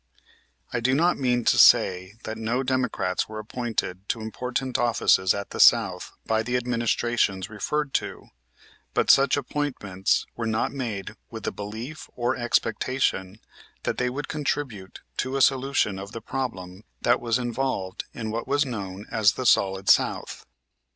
I do not mean to say that no Democrats were appointed to important offices at the South by the administrations referred to, but such appointments were not made with the belief or expectation that they would contribute to a solution of the problem that was involved in what was known as the Solid South.